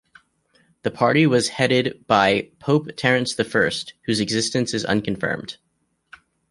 The party was headed by "Pope Terence the First", whose existence is unconfirmed.